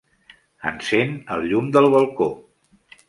Encén el llum del balcó.